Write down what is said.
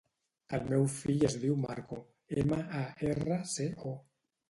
El meu fill es diu Marco: ema, a, erra, ce, o.